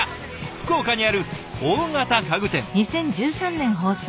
福岡にある大型家具店。